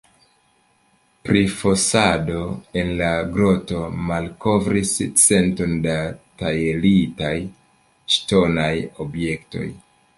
Prifosado en la groto malkovris centon da tajlitaj ŝtonaj objektoj.